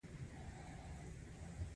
دا مبارزه له تاوتریخوالي ډکه وي